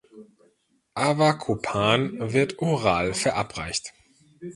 Avacopan wird oral verabreicht.